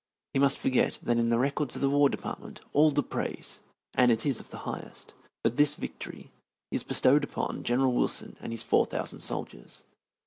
He must forget that in the records of the War Department all the praise, and it is of the highest, for this victory is bestowed upon General Wilson and his four thousand soldiers.